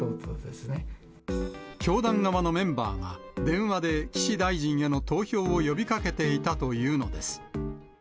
教団側のメンバーが、電話で岸大臣への投票を呼びかけていたというのです。